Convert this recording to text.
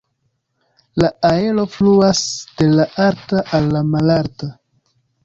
La aero fluas de la alta al la malalta.